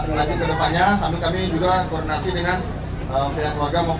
gudang dulunya gudang arsip sekarang